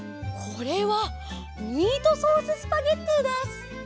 これはミートソーススパゲッティです。